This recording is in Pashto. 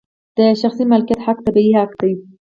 د شخصي مالکیت حق طبیعي حق دی.